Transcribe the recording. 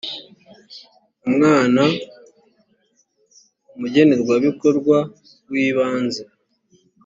umwana umugenerwabikorwa w ibanze